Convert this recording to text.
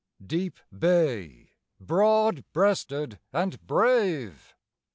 I. Deep Bay, broad breasted and brave!